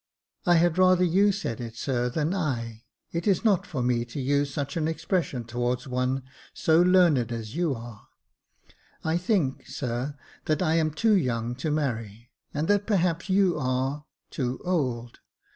*' I had rather you said it, sir, than I ; it is not for me to use such an expression towards one so learned as you are. I think, sir, that I am too young to marry 5 and that perhaps you are — too old.